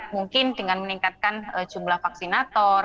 mungkin dengan meningkatkan jumlah vaksinator